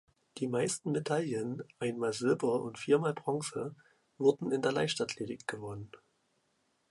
Die meisten Medaillen (einmal Silber und viermal Bronze) wurden in der Leichtathletik gewonnen.